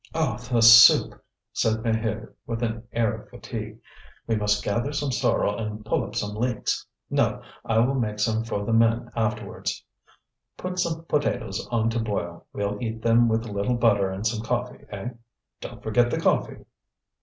"Oh! the soup!" said Maheude with an air of fatigue. "We must gather some sorrel and pull up some leeks. No! I will make some for the men afterwards. Put some potatoes on to boil; we'll eat them with a little butter and some coffee, eh? Don't forget the coffee!"